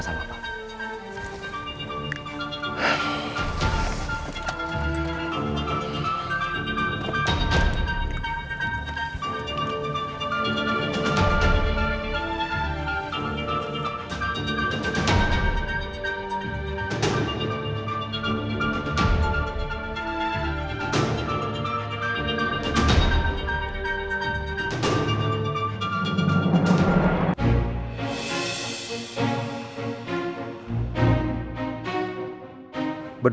saya juga yang percaya